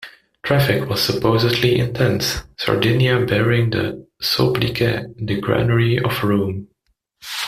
Traffic was supposedly intense, Sardinia bearing the "sobriquet":"the granary of Rome".